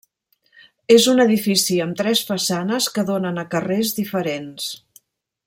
És un edifici amb tres façanes que donen a carrers diferents.